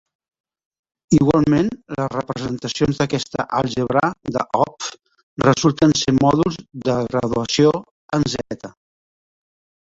Igualment les representacions d'aquesta àlgebra de Hopf resulten ser mòduls de graduació en Z.